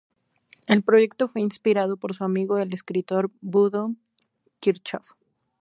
El proyecto fue inspirado por su amigo, el escritor Bodo Kirchhoff.